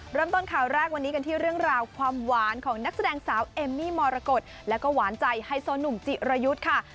เริ่มต้นข่าวแรกวันนี้กันที่เรื่องราวความหวานของนักแสดงสาวเอมมี่มรกฏแล้วก็หวานใจไฮโซหนุ่มจิรยุทธ์ค่ะ